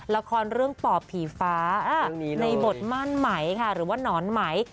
ละครเรื่องปอบผีฟ้าในบทม่านไหมค่ะหรือว่าหนอนไหม